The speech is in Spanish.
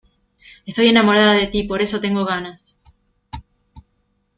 estoy enamorada de ti, por eso tengo ganas